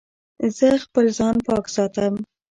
زه خپل ځان پاک ساتم.